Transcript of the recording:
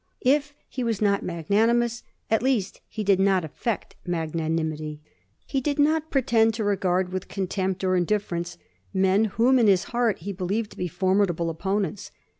If he was not magnanimous, at least he did not affect magnanimity. He did not pro tend to regard with contempt or indifference men whom in his heart he believed to be formidable opponents.